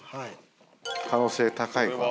可能性高いかな？